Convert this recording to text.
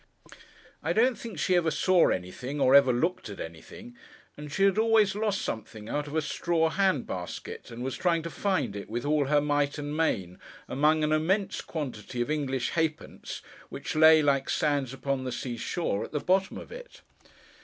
I don't think she ever saw anything, or ever looked at anything; and she had always lost something out of a straw hand basket, and was trying to find it, with all her might and main, among an immense quantity of English halfpence, which lay, like sands upon the sea shore, at the bottom of it.